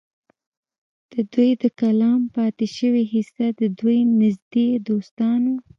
د دوي د کلام پاتې شوې حصه د دوي نزدې دوستانو